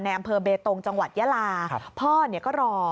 อำเภอเบตงจังหวัดยาลาพ่อก็รอ